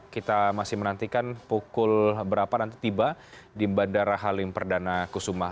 kita masih menantikan pukul berapa nanti tiba di bandara halim perdana kusuma